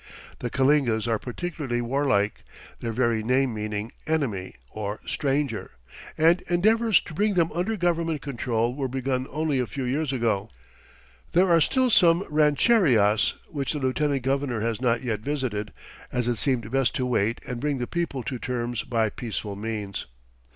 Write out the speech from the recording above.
The Kalingas are particularly warlike, their very name meaning "enemy" or "stranger," and endeavours to bring them under government control were begun only a few years ago. There are still some rancherias which the lieutenant governor has not yet visited, as it seemed best to wait and bring the people to terms by peaceful means.